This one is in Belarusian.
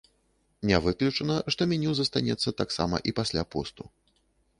Не выключана, што меню застанецца таксама і пасля посту.